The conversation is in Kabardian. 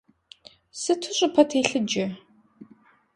Сыту щӀыпӀэ телъыджэ!